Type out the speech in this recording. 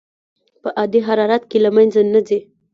په عادي حرارت کې له منځه نه ځي.